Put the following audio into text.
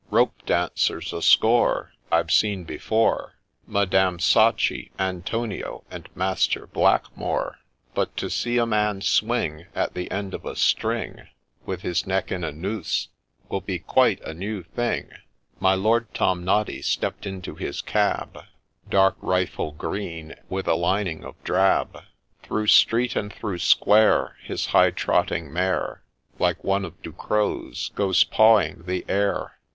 Rope dancers a score I've seen before — Madame Sacchi, Antonio, and Master Black more ; But to see a man swing At the end of a string, With his neck in a noose, will be quite a new thing 1 ' My Lord Tomnoddy stept into his cab — Dark rifle green, with a lining of drab ; THE EXECUTION 183 Through street and through square, His high trotting mare, Like one of Ducrow's, goes pawing the air.